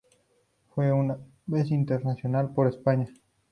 Fue una vez internacional por España.